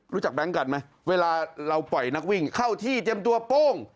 แบงค์กันไหมเวลาเราปล่อยนักวิ่งเข้าที่เตรียมตัวโป้ง